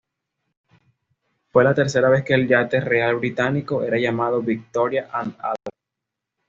Fue la tercera vez que el yate real británico era llamado "Victoria and Albert.